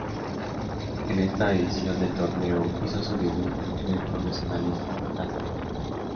En esta edición del torneo hizo su debut en el profesionalismo La Serena.